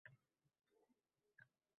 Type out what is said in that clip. Ammo hali tayinli bir fikr shaklini ololmadi.